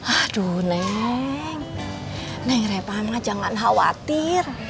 aduh neng neng rempah jangan khawatir